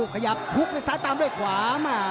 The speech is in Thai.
กระยับทุบแล้วซ้ายตามเรียกขวามา